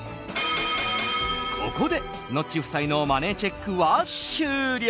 ここで、ノッチ夫妻のマネーチェックは終了。